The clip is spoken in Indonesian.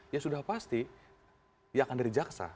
ya sudah pasti ia akan dari jaksa